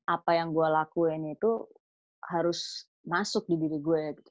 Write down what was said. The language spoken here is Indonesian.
apa yang gua lakuin itu harus masuk di diri gua gitu